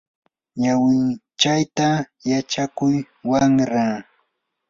ñawinchayta yachakuy wamra.